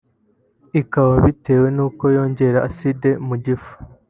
Ikawa bitewe n’uko yongera acide mu gifu